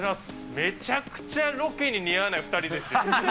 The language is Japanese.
めちゃくちゃロケに似合わない２人ですよ。